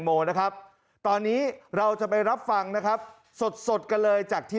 โมนะครับตอนนี้เราจะไปรับฟังนะครับสดสดกันเลยจากที่